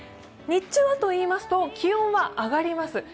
日中はといいますと気温は上がります。